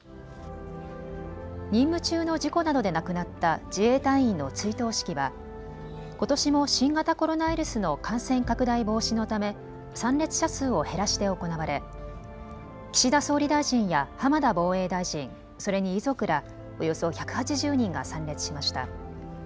任務中の事故などで亡くなった自衛隊員の追悼式はことしも新型コロナウイルスの感染拡大防止のため参列者数を減らして行われ岸田総理大臣や浜田防衛大臣、それに遺族らおよそ１８０人が参列しました。